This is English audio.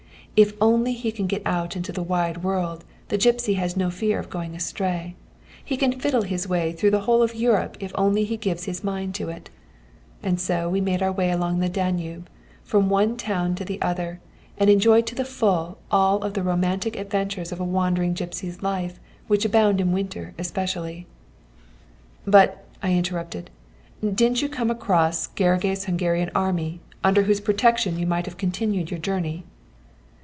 If only he can get out into the wide world, the gipsy has no fear of going astray. He can fiddle his way through the whole of Europe if only he gives his mind to it. And so we made our way along the Danube, from one town to the other, and enjoyed to the full all the romantic adventures of a wandering gipsy's life which abound in winter especially." [Footnote 78: "God bless the great gentleman, he pays with big bang notes!" a poor jest.] "But," interrupted I, "didn't you come across Görgey's Hungarian army, under whose protection you might have continued your journey?"